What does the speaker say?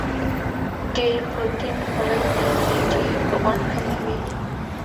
ډېر پروتین خوړل د خېټې غوړ کموي.